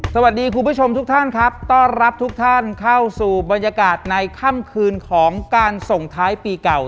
คุณผู้ชมทุกท่านครับต้อนรับทุกท่านเข้าสู่บรรยากาศในค่ำคืนของการส่งท้ายปีเก่า